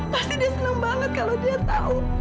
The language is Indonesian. pasti dia senang banget kalau dia tahu